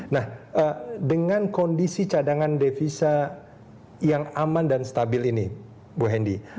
nah dengan kondisi cadangan devisa yang aman dan stabil ini bu hendy